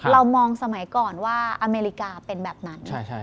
เรามองสมัยก่อนว่าอเมริกาเป็นแบบนั้น